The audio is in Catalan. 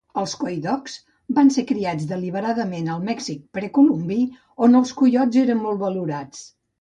Els "coydogs" van ser criats deliberadament al Mèxic precolombí, on els coiots eren molt valorats.